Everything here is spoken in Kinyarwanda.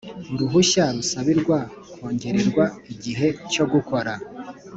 uruhushya rusabirwa kongererwa igihe cyo gukora